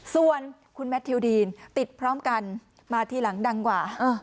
ส่วนคุณแมททิวดีนติดพร้อมกันมาทีหลังดังกว่า